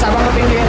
siapa yang ke pinggir